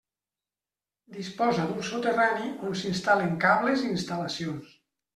Disposa d'un soterrani on s'instal·len cables i instal·lacions.